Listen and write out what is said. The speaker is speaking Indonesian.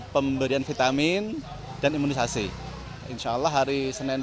pemberian vitamin dan obat cacing gratis di kantor rt dua belas kepada kucing yang ada di wilayah rw lima suntar agung